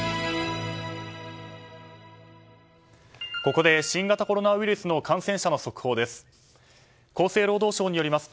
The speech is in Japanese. ここで新型コロナウイルスの感染者の速報です。